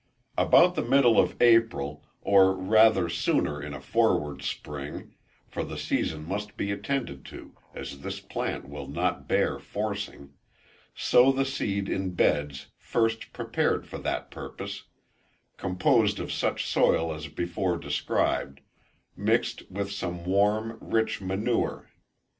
About the middle of April, or rather sooner in a forward spring, (for the season must be attended to, as this plant will not bear forcing) sow the seed in beds first prepared for the purpose, composed of such soil as before described, mixed with some warm, rich manure.